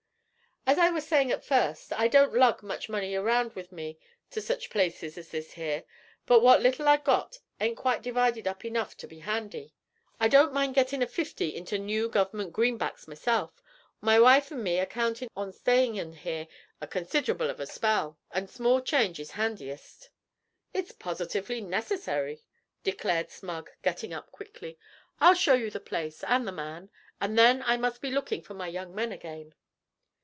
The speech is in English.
'As I was saying at first, I don't lug much money around with me to sech places as this here, but what little I've got ain't quite divided up enough to be handy; I don't mind gettin' a fifty into new Gover'ment greenbacks myself. My wife 'n' me are countin' on stayin' on here a consid'able of a spell, maybe, an' small change is handiest.' 'It's positively necessary,' declared Smug, getting up quickly. 'I'll show you the place, and the man; and then I must be looking for my young men again.'